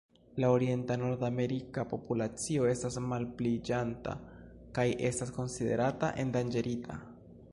La orienta nordamerika populacio estas malpliiĝanta kaj estas konsiderata endanĝerita.